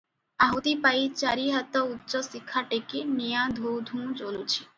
ଆହୁତି ପାଇ ଚାରି ହାତ ଉଚ୍ଚ ଶିଖା ଟେକି ନିଆଁ ଧୂ-ଧୂ ଜଳୁଛି ।